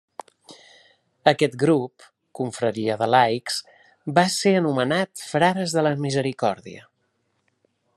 Aquest grup, confraria de laics, va ésser anomenat Frares de la Misericòrdia.